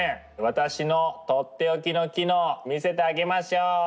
私の取って置きの機能見せてあげましょう。